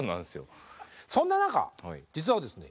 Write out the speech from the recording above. そんな中実はですね